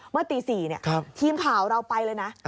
เมื่อตี๔ทีมข่าวเราไปเลยนะ